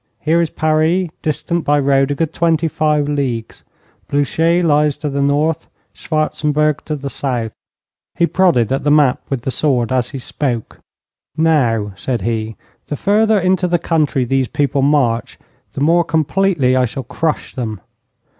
Here is Paris, distant by road a good twenty five leagues. Blucher lies to the north, Schwarzenberg to the south.' He prodded at the map with the sword as he spoke. 'Now,' said he, 'the further into the country these people march, the more completely I shall crush them.